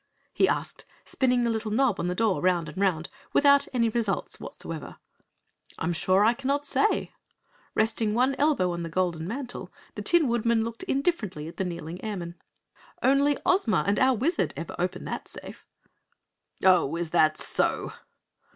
he asked, spinning the little knob on the door, round and round without any results whatsoever. "I am sure I cannot say." Resting one elbow on the golden mantel, the Tin Woodman looked indifferently at the kneeling Airman. "Only Ozma and our Wizard ever open that safe." "Oh, is that so!"